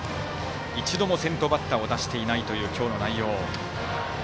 一度も、先頭バッターを出していないという、今日の内容。